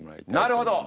なるほど！